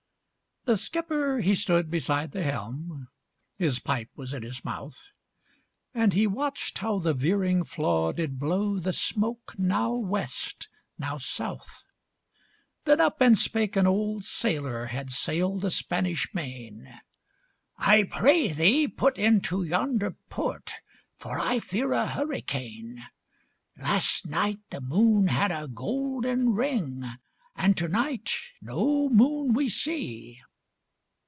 The skipper he stood beside the helm, His pipe was in his mouth, And he watched how the veering flaw did blow The smoke now West, now South. Then up and spake an old Sailor, Had sailed the Spanish Main, "I pray thee, put into yonder port For I fear a hurricane. "Last night, the moon had a golden ring, And to night no moon we see!"